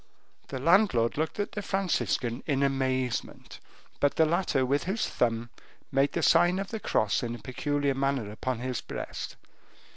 The landlord looked at the Franciscan in amazement, but the latter, with his thumb, made the sign of the cross in a peculiar manner upon his breast.